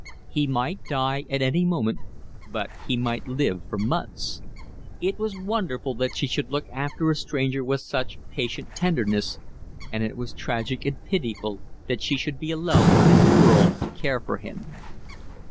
He might die at any moment, but he might live for months. It was wonderful that she should look after a stranger with such patient tenderness, and it was tragic and pitiful that she should be alone in the world to care for him.